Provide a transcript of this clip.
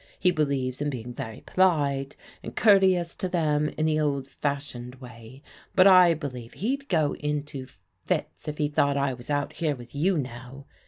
He believes in being very polite and courteous to them in the old fash ioned way, but I believe he'd go into fits if he thought I was out here with you now.